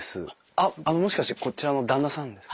あっもしかしてこちらの旦那さんですか？